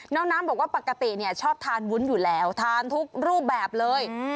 น้องน้ำบอกว่าปกติชอบทานวุ้นอยู่แล้วทานทุกรูปแบบเลย